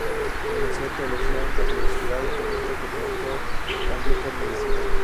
Comenzó teología en la Universidad de Toronto, que pronto cambió por medicina.